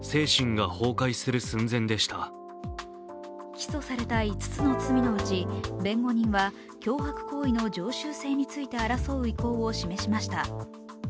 起訴された５つの罪のうち、弁護人は脅迫行為の常習性について争う意向を示しました。